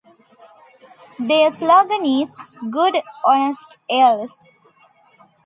Their slogan is "Good Honest Ales".